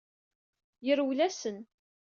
Yerwel-asen.